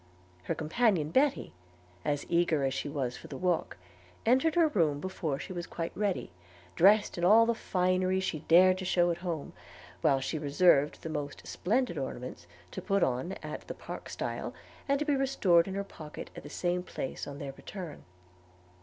Her companion Betty, as eager as she was for the walk, entered her room before she was quite ready, dressed in all the finery she dared shew at home, while she reserved her most splendid ornaments to put on at the park stile, and to be restored to her pocket at the same place on their return.